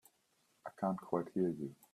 I can't quite hear you.